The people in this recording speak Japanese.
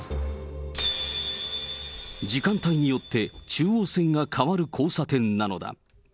時間帯によって中央線が変わる交差点なのだ。